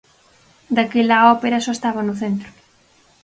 Daquela a ópera só estaba no centro.